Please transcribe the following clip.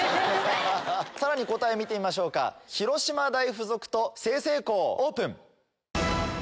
さらに答えを見てみましょうか広島大附属と済々黌オープン。